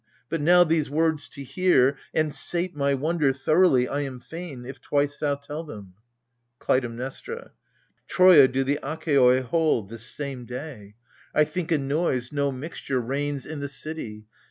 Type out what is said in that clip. But now, these words to hear, and sate my wonder Thoroughly, I am fain — if twice thou tell them. KLUTAIMNESTRA. Troia do the Achaioi hold, this same day. AGAMEMNON. 29 I think a noise — no mixture — reigns i' the city.